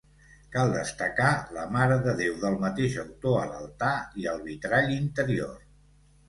Cal destacar la Mare de Déu del mateix autor a l'altar i al vitrall interior.